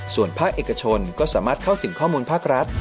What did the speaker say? ส่วนภาคเอกชนก็สามารถเข้าถึงข้อมูลภาครัฐ